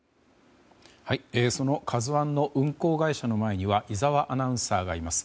その「ＫＡＺＵ１」の運航会社の前には井澤アナウンサーがいます。